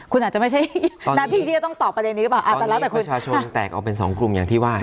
คุณอาจจะไม่ใช่หน้าที่ที่จะต้องตอบประเด็นนี้หรือเปล่าอาจจะแล้วแต่คุณประชาชนแตกออกเป็นสองกลุ่มอย่างที่ว่า